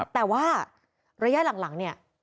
แต่ว่าระยะหลังเนี่ย